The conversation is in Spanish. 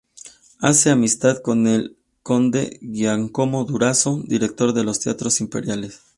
Hace amistad con el conde Giacomo Durazzo, director de los teatros imperiales.